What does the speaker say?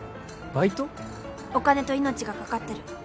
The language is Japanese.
「お金と命がかかってる。